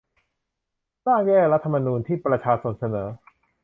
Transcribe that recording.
ร่าง แก้รัฐธรรมนูญ ที่ประชาชนเสนอ